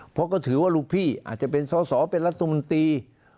เพราะก็ถือว่าลูกพี่อาจจะเป็นสอสอเป็นรัฐมนตรี